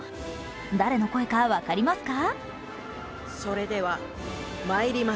誰の声か分かりますか？